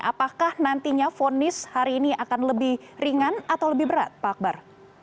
apakah nantinya fonis hari ini akan lebih ringan atau lebih berat pak akbar